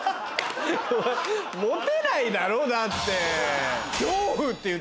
モテないだろだって。